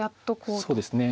そうですね。